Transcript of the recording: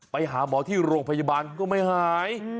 ไปหาหมอที่โรงพยาบาลก็ไม่หาย